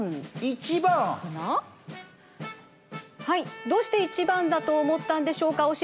はいどうして１ばんだとおもったんでしょうか？